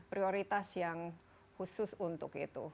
prioritas yang khusus untuk itu